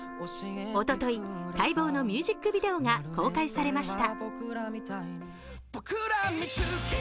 おととい、待望のミュージックビデオが公開されました。